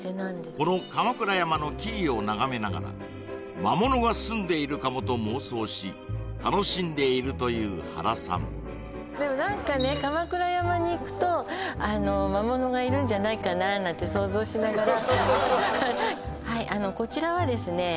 この鎌倉山の木々を眺めながら「魔物が棲んでいるかも」と妄想し楽しんでいるという原さんでも何かね鎌倉山に行くと「魔物がいるんじゃないかな」なんて想像しながらはいこちらはですね